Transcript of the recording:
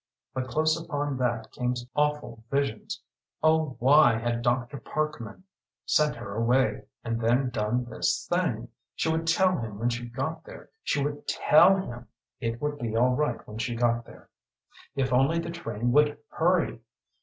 But close upon that came awful visions Oh why had Dr. Parkman sent her away and then done this thing? She would tell him when she got there she would tell him It would all be right when she got there. If only the train would hurry!